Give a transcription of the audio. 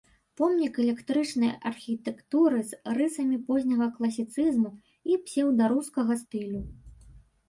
Помнік эклектычнай архітэктуры з рысамі позняга класіцызму і псеўдарускага стылю.